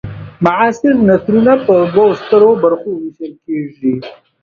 معاصر نثرونه په دوو سترو برخو وېشل کیږي.